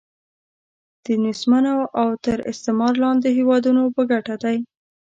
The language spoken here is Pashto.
د نېستمنو او تر استعمار لاندې هیوادونو په ګټه دی.